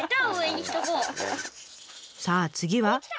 さあ次は？